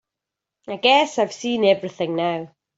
I guess I've seen everything now.